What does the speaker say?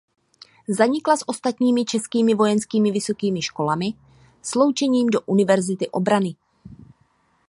Zanikla s ostatními českými vojenskými vysokými školami sloučením do Univerzity obrany.